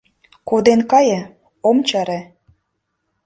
Коден кае, ом чаре.